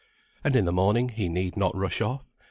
And in the morning he need not rush off.